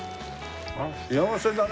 幸せだね。